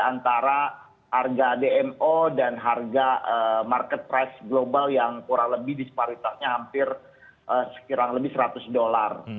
antara harga dmo dan harga market price global yang kurang lebih disparitasnya hampir kurang lebih seratus dolar